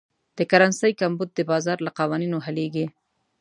د کرنسۍ کمبود د بازار له قوانینو حلېږي.